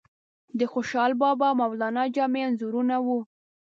د خوشحال بابا، مولانا جامی انځورونه وو.